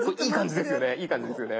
いい感じですよね。